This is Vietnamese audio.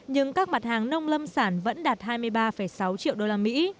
nhưng các mặt hàng nông lâm sản vẫn đạt hai mươi ba sáu triệu đô la mỹ